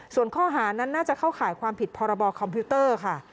ส่วนข้อหานั้นน่าจะเข้าข่ายความผิดพคค่ะ